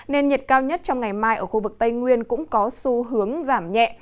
nên nhiệt cao nhất trong ngày mai ở khu vực tây nguyên cũng có xu hướng giảm nhẹ